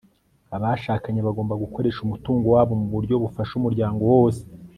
abashakanye bagomba gukoresha umutungo wabo mu buryo bufasha umuryango wose